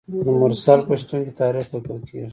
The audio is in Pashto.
د مرسل په شتون کې تاریخ لیکل کیږي.